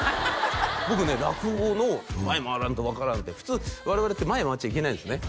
僕ね落語の「前回らんと分からん」って普通我々って前回っちゃいけないんですね